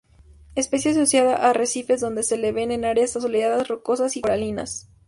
Especie asociada a arrecifes, donde se les ve en áreas soleadas rocosas y coralinas.